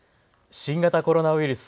新型コロナウイルス。